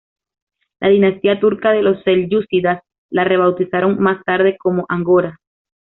La dinastía turca de los Selyúcidas la rebautizaron más tarde como Angora.